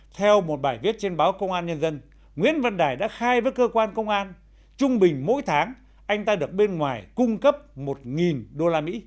theo một bài viết trên báo công an nhân dân nguyễn văn đài đã khai với cơ quan công an trung bình mỗi tháng anh ta được bên ngoài cung cấp một usd